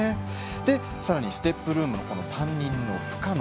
さらにステップルーム担任の深野